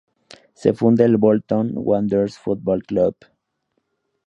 Se funda el Bolton Wanderers Football Club